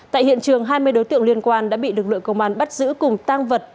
tại hiện trường hai mươi đối tượng liên quan đã bị lực lượng công an bắt giữ cùng tăng vật